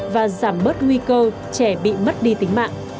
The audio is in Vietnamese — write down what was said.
và giảm bớt nguy cơ trẻ bị mất đi tính mạng